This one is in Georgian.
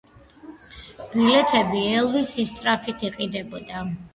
ბილეთები ელვის სისწრაფით იყიდებოდა.